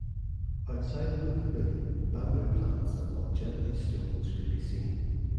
Outside of the pavilion bamboo plants and longevity stones could be seen.